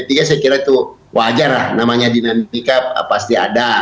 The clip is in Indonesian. saya kira itu wajar lah namanya dinamika pasti ada